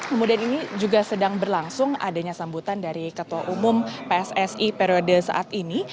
kemudian ini juga sedang berlangsung adanya sambutan dari ketua umum pssi periode saat ini